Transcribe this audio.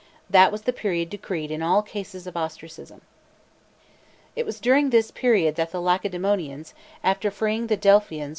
_ That was the period decreed in all cases of ostracism. !_ It was during this period that the Lacedaemonians, after freeing the Delphians from the Phocians, 1 461 B.